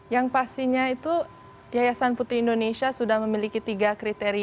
yang pastinya itu yayasan putri indonesia sudah memiliki tiga kriteria